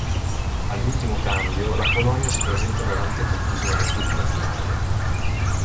All'ultimo cambio la Polonia si presenta davanti a tutti sul rettilineo finale.